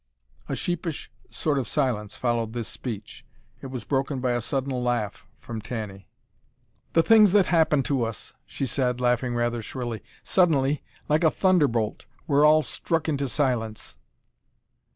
A sheepish sort of silence followed this speech. It was broken by a sudden laugh from Tanny. "The things that happen to us!" she said, laughing rather shrilly. "Suddenly, like a thunderbolt, we're all struck into silence!"